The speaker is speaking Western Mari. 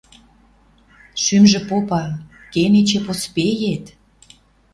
Шӱмжӹ попа: кен эче поспеет